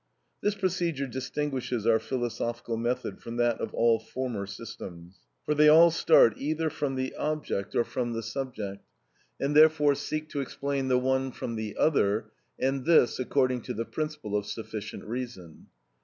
This procedure distinguishes our philosophical method from that of all former systems. For they all start either from the object or from the subject, and therefore seek to explain the one from the other, and this according to the principle of sufficient reason.